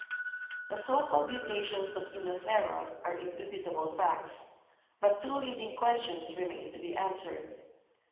The so called mutations of 'Oenothera' are indubitable facts, but two leading questions remain to be answered.